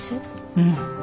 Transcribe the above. うん。